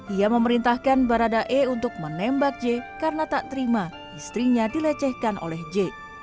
ia memerintahkan barada e untuk menembak j karena tak terima istrinya dilecehkan oleh j